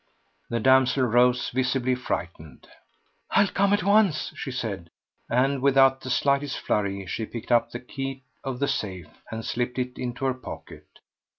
The damsel rose, visibly frightened. "I'll come at once," she said, and without the slightest flurry she picked up the key of the safe and slipped it into her pocket.